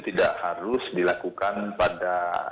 tidak harus dilakukan pada